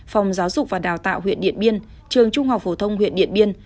phòng giáo dục và đào tạo huyện điện biên trường trung học phổ thông huyện điện biên